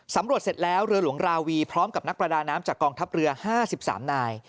เสร็จแล้วเรือหลวงราวีพร้อมกับนักประดาน้ำจากกองทัพเรือ๕๓นาย